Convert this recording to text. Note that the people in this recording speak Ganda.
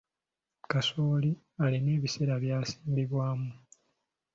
Kasooli alina ebiseera by’asimbibwamu.